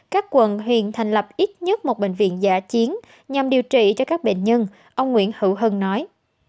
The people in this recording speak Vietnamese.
các quận huyện thành lập ít nhất một bệnh viện giả chiến nhằm điều trị cho các bệnh nhân ông nguyễn hữu hưng nói